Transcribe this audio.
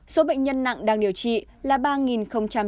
số bệnh nhân nặng đang điều trị là ba chín mươi hai ca